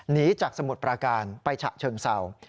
หนีจากสมุทรปราการไปฉะเชิงเศร้า